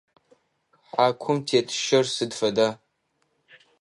Хьакум тет щэр сыд фэда?